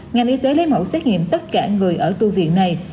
ngành y tế lấy mẫu xét nghiệm tất cả người ở tu viện này